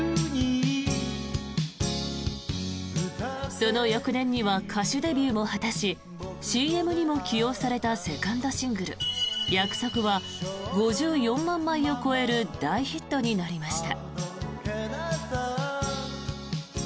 その翌年には歌手デビューも果たしＣＭにも起用されたセカンドシングル「約束」は５４万枚を超える大ヒットになりました。